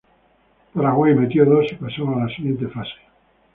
Paraguay convirtió dos y pasó a siguiente fase.